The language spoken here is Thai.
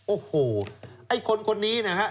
โอ้โหไอ้คนนี้นะครับ